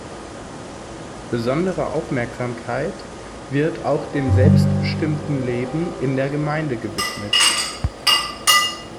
Besondere Aufmerksamkeit wird auch dem selbstbestimmten Leben in der Gemeinde gewidmet.